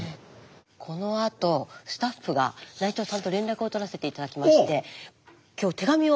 このあとスタッフが内藤さんと連絡を取らせて頂きまして今日手紙を。